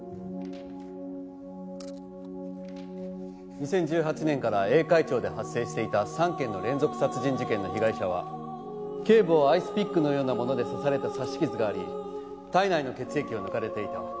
２０１８年から栄海町で発生していた３件の連続殺人事件の被害者は頸部をアイスピックのようなもので刺された刺し傷があり体内の血液を抜かれていた。